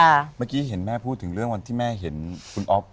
เมื่อกี้เห็นแม่พูดถึงเรื่องวันที่แม่เห็นคุณอ๊อฟ